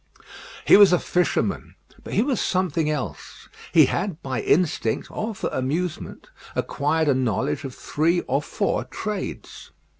He was a fisherman; but he was something more. He had, by instinct, or for amusement, acquired a knowledge of three or four trades.